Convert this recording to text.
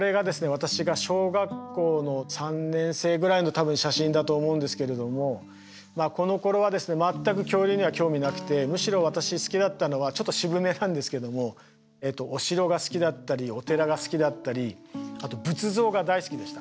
私が小学校の３年生ぐらいの多分写真だと思うんですけれどもこのころは全く恐竜には興味なくてむしろ私好きだったのはちょっと渋めなんですけどもお城が好きだったりお寺が好きだったりあと仏像が大好きでした。